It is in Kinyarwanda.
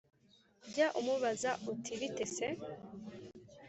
Jya umubaza uti bite se?